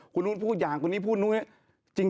คุณนู้นพูดอย่างคุณนี้พูดอย่าง